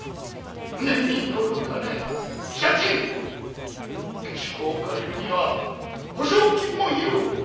船に乗る金汽車賃下宿を借りるには保証金も要る。